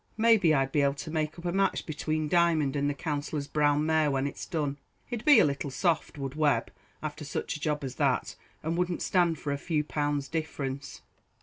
May be I'd be able to make up a match between Diamond and the Counsellor's brown mare, when it's done. He'd be a little soft, would Webb, after such a job as that, and wouldn't stand for a few pounds difference."